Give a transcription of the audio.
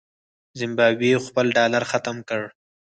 زمبابوې خپل ډالر ختم کړ.